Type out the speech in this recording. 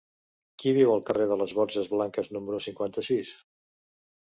Qui viu al carrer de les Borges Blanques número cinquanta-sis?